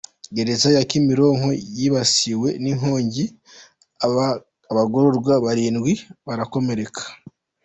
Gereza ya Kimironko yibasiwe n’inkongi, abagororwa barindwi barakomereka.